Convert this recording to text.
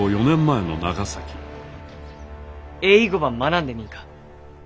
４年前の長崎英語ば学んでみんか？